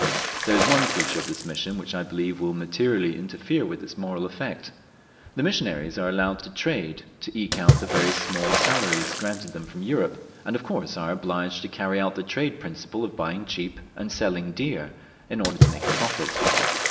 There is one feature of this mission which I believe will materially interfere with its moral effect. The missionaries are allowed to trade to eke out the very small salaries granted them from Europe, and of course are obliged to carry out the trade principle of buying cheap and selling dear, in order to make a profit.